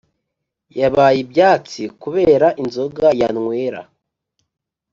Yabaye ibyatsi kubera inzoga yanywera